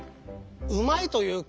うまいというか。